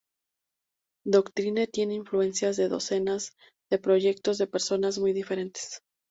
Doctrine tiene influencias de docenas de proyectos de personas muy diferentes.